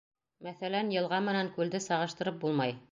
Мәҫәлән, йылға менән күлде сағыштырып булмай.